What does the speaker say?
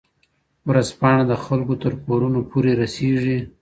ورځپاڼه د خلکو تر کورونو پورې رسیږي.